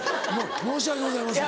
申し訳ございません。